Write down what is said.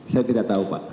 saya tidak tahu pak